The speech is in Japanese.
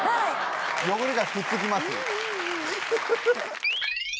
汚れがくっつきます。